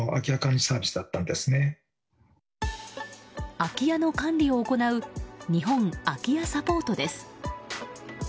空き家の管理を行う日本空き家サポートです。